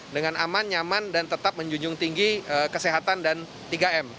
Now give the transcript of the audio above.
dengan aman nyaman dan tetap menjunjung tinggi kesehatan dan tiga m